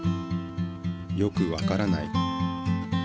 よくわからない。